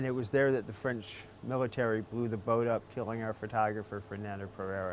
dan di sana militer perancis menembak kapal membunuh fotografer kita fernando pereira